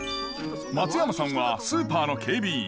松山さんはスーパーの警備員。